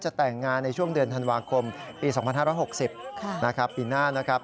แต่งงานในช่วงเดือนธันวาคมปี๒๕๖๐นะครับปีหน้านะครับ